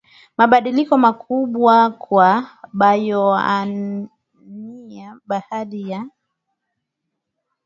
mabadiliko makubwa kwa bayoanuaiBaadhi ya